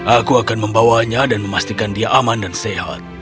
aku akan membawanya dan memastikan dia aman dan sehat